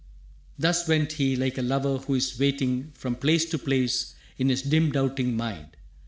Thus went he, like a lover who is waiting, From place to place in his dim doubting mind.